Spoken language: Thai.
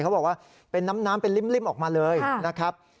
เขาบอกว่าเป็นน้ำเป็นริ่มออกมาเลยนะครับ